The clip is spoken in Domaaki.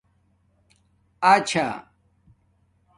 اچھا